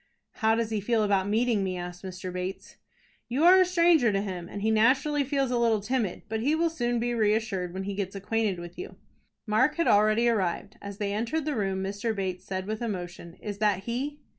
"How does he feel about meeting me?" asked Mr. Bates. "You are a stranger to him, and he naturally feels a little timid, but he will soon be reassured when he gets acquainted with you." Mark had already arrived. As they entered the room, Mr. Bates said with emotion, "Is that he?"